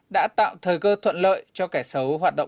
đã tạo thời cơ thuận lợi cho kẻ xấu hoạt động